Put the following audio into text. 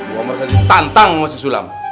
gue merasa ditantang sama si sulam